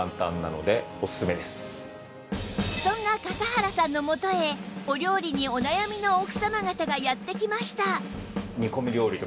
そんな笠原さんの元へお料理にお悩みの奥様方がやって来ました